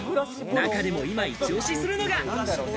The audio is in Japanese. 中でも今イチオシするのが。